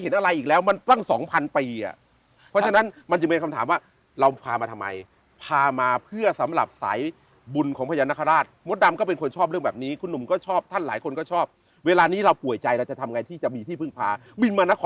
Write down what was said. แต่นี่เราไม่เห็นอะไรอีกแล้วมันตั้ง๒๐๐๐ปี